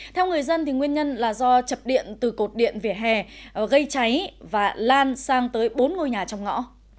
theo người dân nguyên nhân là do chập điện từ cột điện vỉa hè gây cháy và lan sang tới bốn ngôi nhà trong ngõ